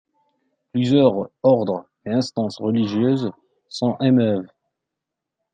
Plusieurs ordres et instances religieuses s'en émeuvent.